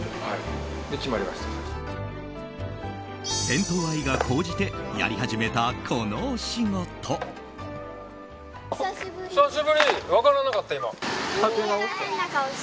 銭湯愛が高じてやり始めたこのお仕事。